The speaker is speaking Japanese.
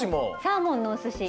サーモンのおすし。